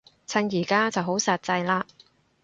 趁而家就好煞掣嘞